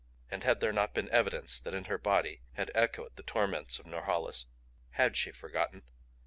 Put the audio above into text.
And had there not been evidence that in her body had been echoed the torments of Norhala's? Had she forgotten?